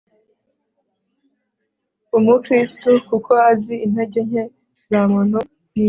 umukristu kuko azi intege nke za muntu yiyemeza